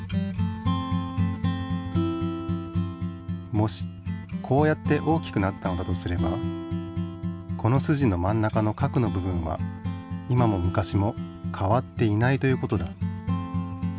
もしこうやって大きくなったのだとすればこのすじの真ん中の核の部分は今も昔も変わっていないという事だ。